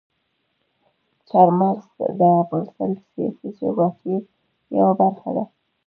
چار مغز د افغانستان د سیاسي جغرافیې یوه برخه ده.